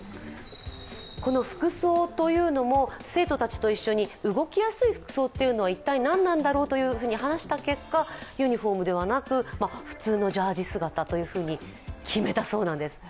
服装というのも生徒たちと一緒に動きやすい服装は一体何なんだろうと話した結果、ユニフォームではなく普通のジャージ姿と決めたそうです。